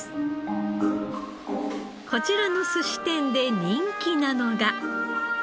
こちらのすし店で人気なのが。